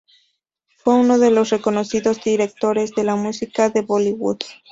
Fue uno de los reconocidos directores de la música de Bollywood.